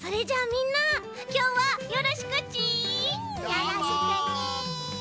よろしくね！